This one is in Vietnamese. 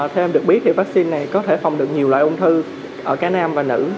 theo em được biết thì vaccine này có thể phòng được nhiều loại ung thư ở cả nam và nữ